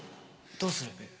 どうする？